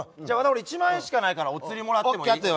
俺１万円しかないからお釣りもらってもいい？